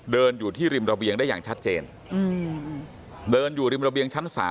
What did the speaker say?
เดินอยู่ที่ริมระเบียงได้อย่างชัดเจนเดินอยู่ริมระเบียงชั้น๓